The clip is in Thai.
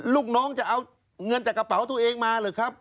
ลูกน้องจะเอาเงินจากกระเป๋าตัวเองมาหรือครับ